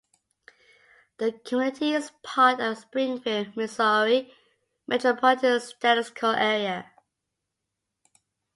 The community is part of the Springfield, Missouri Metropolitan Statistical Area.